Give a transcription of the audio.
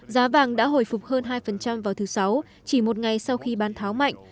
giá vàng đã hồi phục hơn hai vào thứ sáu chỉ một ngày sau khi bán tháo mạnh